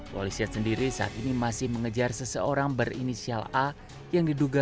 polisi sendiri saat ini masih mengejar seseorang berinisial a